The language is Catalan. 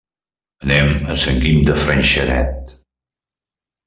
Anem a Sant Guim de Freixenet.